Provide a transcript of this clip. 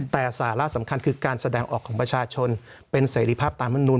แต่สาระสำคัญคือการแสดงออกของประชาชนเป็นเสรีภาพตามมนุน